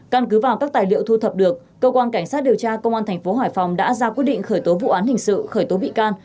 căn cứ vào các tài liệu thu thập được cơ quan cảnh sát điều tra công an thành phố hải phòng đã ra quyết định khởi tố vụ án hình sự khởi tố bị can